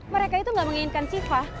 mereka itu gak menginginkan sifat